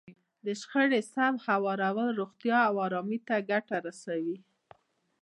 د شخړې سم هوارول روغتیا او ارامۍ ته ګټه رسوي.